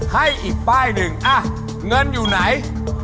ให้อีกป้ายหนึ่งเงินอยู่ไหน